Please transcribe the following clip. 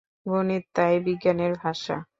গণিত তাই বিজ্ঞানের ভাষা।